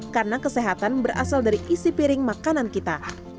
karena kesehatan berasal dari isi piring makanan kita